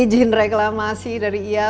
ijin reklamasi dari ias